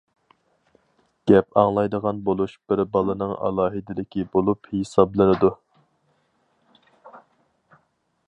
گەپ ئاڭلايدىغان بولۇش بىر بالىنىڭ ئالاھىدىلىكى بولۇپ ھېسابلىنىدۇ.